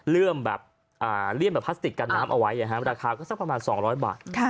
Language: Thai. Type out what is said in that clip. แบบเลี่ยมแบบพลาสติกกันน้ำเอาไว้ราคาก็สักประมาณ๒๐๐บาท